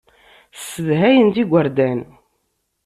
Ssedhayent igerdan.